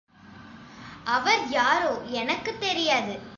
அவர் யாரோ, எனக்குத் தெரியாது.